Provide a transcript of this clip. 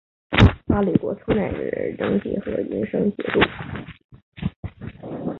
大理国初期仍置永昌节度和银生节度。